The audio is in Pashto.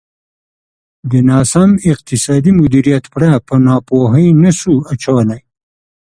د ناسم اقتصادي مدیریت پړه پر ناپوهۍ نه شو اچولای.